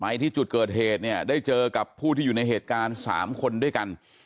ที่จุดเกิดเหตุเนี่ยได้เจอกับผู้ที่อยู่ในเหตุการณ์๓คนด้วยกัน